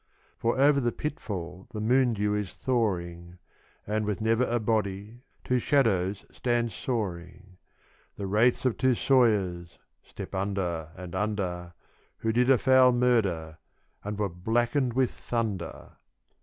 For over the pitfall the moon dew is thawing, And, with never a body, two shadows stand sawing The wraiths of two sawyers (step under and under), Who did a foul murder and were blackened with thunder!